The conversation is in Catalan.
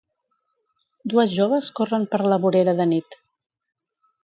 Dues joves corren per la vorera de nit.